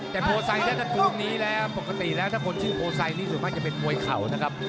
แต่โพไซถ้าคู่นี้แล้วปกติแล้วถ้าคนชื่อโพไซดนี่ส่วนมากจะเป็นมวยเข่านะครับ